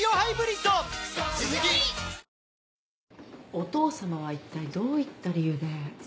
お父様は一体どういった理由で？